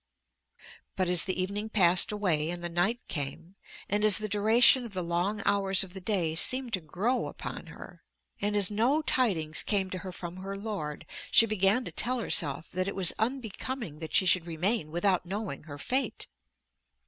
But as the evening passed away and the night came, and as the duration of the long hours of the day seemed to grow upon her, and as no tidings came to her from her lord, she began to tell herself that it was unbecoming that she should remain without knowing her fate.